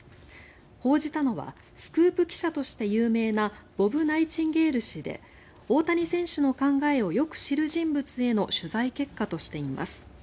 報じたのはスクープ記者として有名なボブ・ナイチンゲール氏で大谷選手の考えをよく知る人物への取材結果としています。